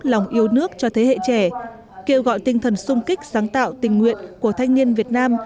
lòng yêu nước cho thế hệ trẻ kêu gọi tinh thần sung kích sáng tạo tình nguyện của thanh niên việt nam